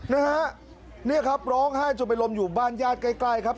นะฮะนี่ครับร้องให้จะไปล้มอยู่บ้านญาติใกล้ครับ